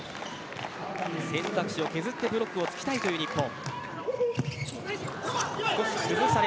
選択肢を削ってブロックに付きたい日本。